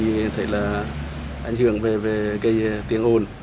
chế biến ở đó thì thấy là ảnh hưởng về gây tiếng ồn